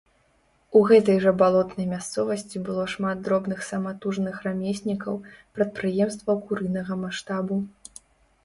У гэтай жа балотнай мясцовасці было шмат дробных саматужных рамеснікаў, прадпрыемстваў курынага маштабу.